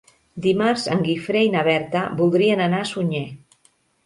Dimarts en Guifré i na Berta voldrien anar a Sunyer.